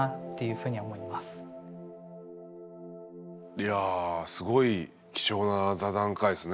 いやすごい貴重な座談会っすね